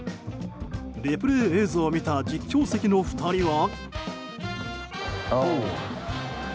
リプレイ映像を見た実況席の２人は。